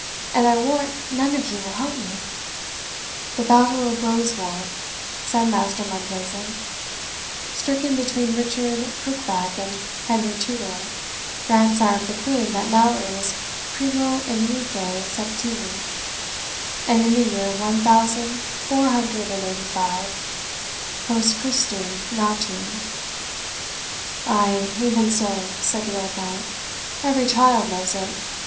and I warrant none of you will help me " "The battle of Bosworth," said Master Mumblazen "stricken between Richard Crookback and Henry Tudor, grandsire of the Queen that now is, PRIMO HENRICI SEPTIMI; and in the year one thousand four hundred and eighty five, POST CHRISTUM NATUM." "Ay, even so," said the old knight; "every child knows it.